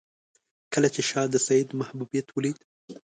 کله چې شاه د سید محبوبیت ولید.